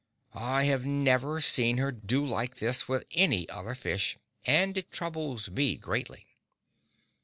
I have never seen her do like this with any other fish, and it troubles me greatly.